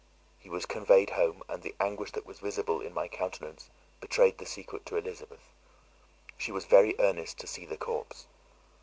"He was conveyed home, and the anguish that was visible in my countenance betrayed the secret to Elizabeth. She was very earnest to see the corpse.